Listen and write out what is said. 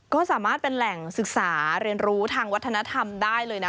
ก็สามารถเป็นแหล่งศึกษาเรียนรู้ทางวัฒนธรรมได้เลยนะ